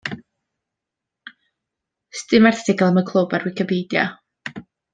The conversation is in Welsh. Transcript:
'S dim erthygl am y clwb ar Wicipedia.